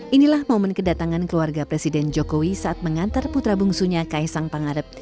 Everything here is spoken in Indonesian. inilah momen kedatangan keluarga presiden jokowi saat mengantar putra bungsunya kaisang pangarep